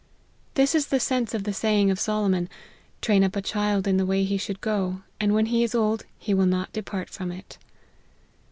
This is the sense of the saying of Solomon " Train up a child in the way he should go, and when he is old he will not depart from it."